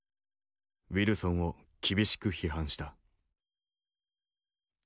ウィルソンを厳しく批判した。